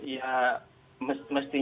ya mesti diperhatikan